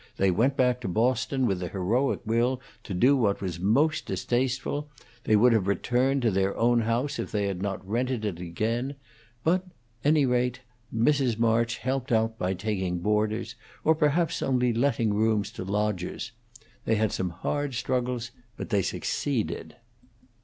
They went back to Boston with the heroic will to do what was most distasteful; they would have returned to their own house if they had not rented it again; but, any rate, Mrs. March helped out by taking boarders, or perhaps only letting rooms to lodgers. They had some hard struggles, but they succeeded.